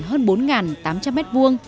hơn bốn tám trăm linh m hai